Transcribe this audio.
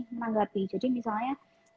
menanggapi jadi misalnya